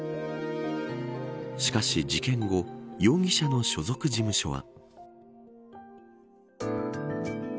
しかし事件後容疑者の所属事務所は。